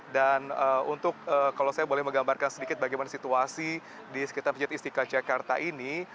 dan untuk kalau saya boleh menggambarkan sedikit bagaimana situasi di sekitar masjid istiqlal jakarta ini